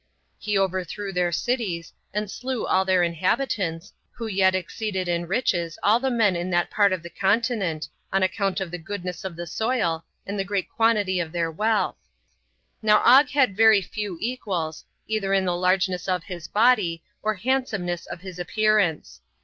He overthrew their cities, and slew all their inhabitants, who yet exceeded in riches all the men in that part of the continent, on account of the goodness of the soil, and the great quantity of their wealth. Now Og had very few equals, either in the largeness of his body, or handsomeness of his appearance.